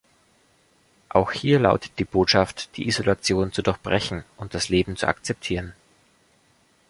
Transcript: Auch hier lautet die Botschaft, die Isolation zu durchbrechen und das Leben zu akzeptieren.